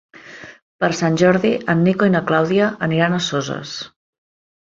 Per Sant Jordi en Nico i na Clàudia aniran a Soses.